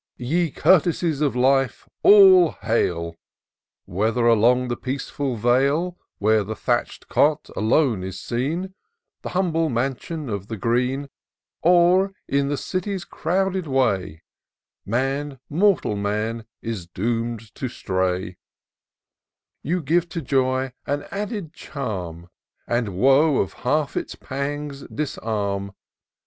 E Courtesies of life, all hail! Whether along the peaceAil vale. Where the thatch'd cot alone is seen, The humble mansion of the green. Or in the city's crowded way, Man— mortal man, is doom'd to stray ; You give to joy an added charm, And woe of half its pangs disarm.